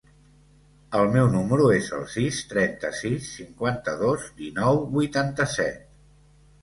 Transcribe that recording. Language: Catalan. El meu número es el sis, trenta-sis, cinquanta-dos, dinou, vuitanta-set.